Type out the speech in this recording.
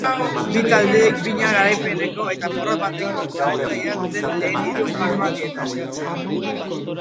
Bi taldeek bina garaipeneko eta porrot bateko balantzea dute lehen hiru jardunaldietan.